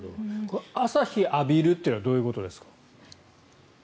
朝日を浴びるというのはどういうことですか。